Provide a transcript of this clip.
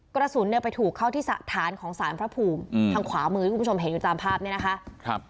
กระสุนเนี่ยไปถูกเข้าที่ฐานของสารพระภูมิทางขวามือที่คุณผู้ชมเห็นอยู่ตามภาพเนี่ยนะคะ